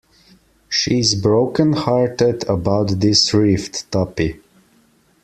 She's broken-hearted about this rift, Tuppy.